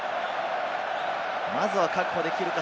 まずは確保できるか。